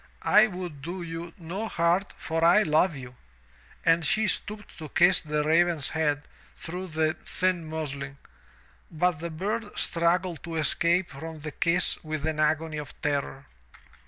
I would do you no hurt for I love you. And she stooped to kiss the raven's head through the thin muslin, but the bird struggled to escape from the kiss with an agony of terror.